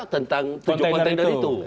tentang tujuh kontender itu